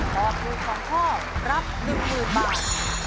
ตอบถูก๒ข้อรับ๑๐๐๐บาท